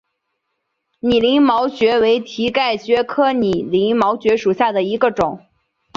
拟鳞毛蕨为蹄盖蕨科拟鳞毛蕨属下的一个种。